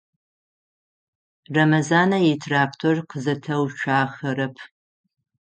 Рэмэзанэ итрактор къызэтеуцуахэрэп.